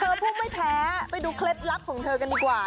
ผู้ไม่แพ้ไปดูเคล็ดลับของเธอกันดีกว่า